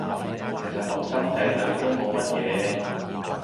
其實後生仔女都冇乜嘢